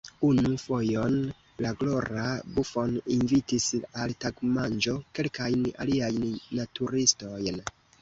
Unu fojon la glora Buffon invitis al tagmanĝo kelkajn aliajn naturistojn.